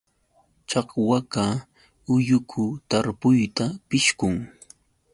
Chakwaqa ulluku tarpuyta pishqun.